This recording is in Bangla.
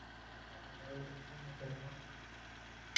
পরবর্তী ধাাপ হল আমাদের উপদেশ অনুধাবন করা।